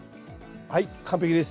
はい完璧です。